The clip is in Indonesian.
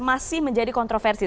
masih menjadi kontroversi